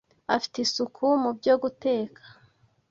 afite isuku mu byo guteka